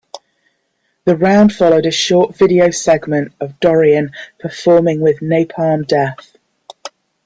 The round followed a short video segment of Dorrian performing with Napalm Death.